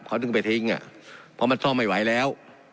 เขาซึ่งไปทิ้งน่ะประมาณท่อไม่ไหวแล้ว